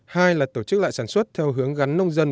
hai là tổ chức lại sản xuất theo hướng gắn nông dân